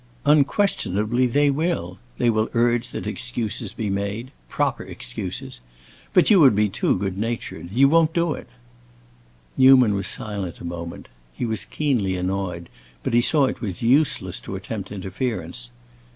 "Unquestionably they will. They will urge that excuses be made, proper excuses. But you would be too good natured. You won't do." Newman was silent a moment. He was keenly annoyed, but he saw it was useless to attempt interference.